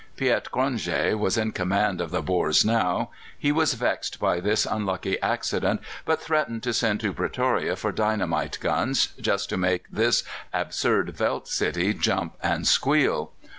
Piet Cronje was in command of the Boers now; he was vexed by this unlucky accident, but threatened to send to Pretoria for dynamite guns, just to make this absurd veldt city jump and squeal.